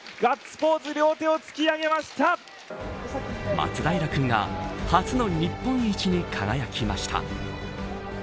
マツダイラ君が初の日本一に輝きました。